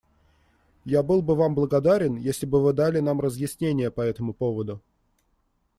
Я был бы Вам благодарен, если бы Вы дали нам разъяснения по этому поводу.